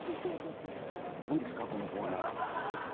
なんですかこのコーナー。